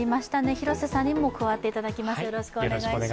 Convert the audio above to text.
広瀬さんにも加わっていただきます。